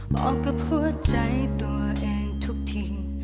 บอกกับหัวใจตัวเองทุกที